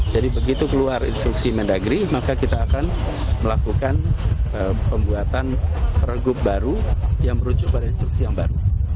jadi begitu keluar instruksi kemendagri maka kita akan melakukan pembuatan regup baru yang merujuk pada instruksi yang baru